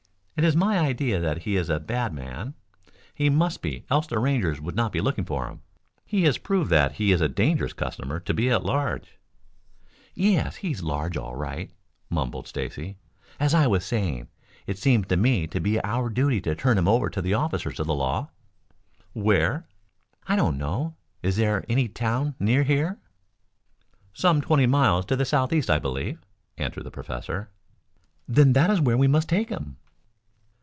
"It is my idea that he is a bad man. He must be, else the Rangers would not be looking for him. He has proved that he is a dangerous customer to be at large " "Yes, he's large, all right," mumbled Stacy. "As I was saying, it seems to me to be our duty to turn him over to the officers of the law." "Where?" "I don't know. Is there any town near here?" "Some twenty miles to the southeast, I believe," answered the professor. "Then that is where we must take him."